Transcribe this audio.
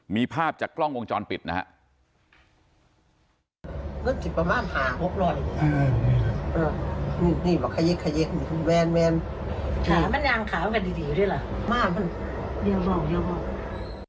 มีภาพจากกล้องวงจรปิดนะครับ